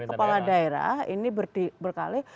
kepala daerah ini berkali